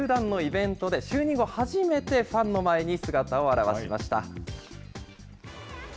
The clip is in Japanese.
札幌ドームで行われた球団のイベントで就任後初めてファンの前に姿を現しました。